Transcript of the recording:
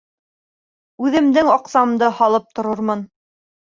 Үҙемдең аҡсамды һалып торормон.